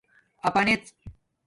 اپانݺی